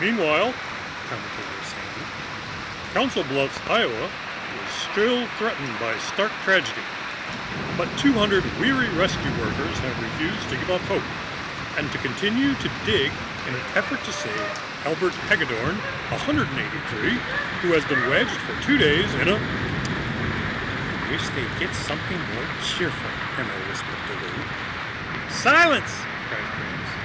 "Meanwhile," the commentator was saying, "Council Bluffs, Iowa, was still threatened by stark tragedy. But 200 weary rescue workers have refused to give up hope, and continue to dig in an effort to save Elbert Haggedorn, 183, who has been wedged for two days in a ..." "I wish he'd get something more cheerful," Emerald whispered to Lou. "Silence!" cried Gramps.